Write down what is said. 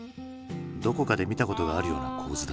どこかで見たことがあるような構図だ。